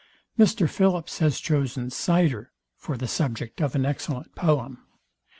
Mr Philips has chosen CYDER for the subject of an excellent poem.